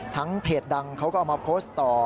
เพจดังเขาก็เอามาโพสต์ต่อ